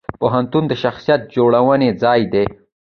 پوهنتون د شخصیت جوړونې ځای دی.